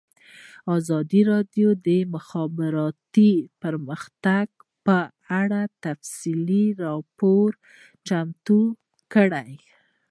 ازادي راډیو د د مخابراتو پرمختګ په اړه تفصیلي راپور چمتو کړی.